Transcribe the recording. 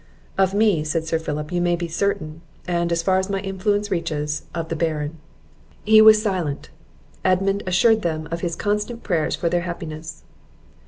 "Of me," said Sir Philip, "you may be certain; and, as far as my influence reaches, of the Baron." He was silent. Edmund assured them of his constant prayers for their happiness.